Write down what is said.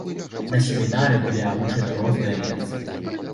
На семінары былі агучаны розныя лекцыі.